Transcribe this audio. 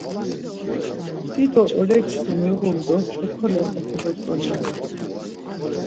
Dido oreksi miğun do hekolen oxobotzoni ya mtutik.